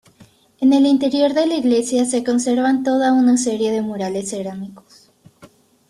En el interior de la Iglesia se conservan toda una serie de murales cerámicos.